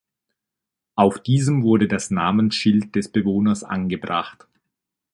Auf diesem wurde das Namensschild des Bewohners angebracht.